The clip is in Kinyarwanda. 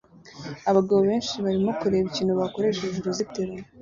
Abagabo benshi barimo kureba ikintu bakoresheje uruzitiro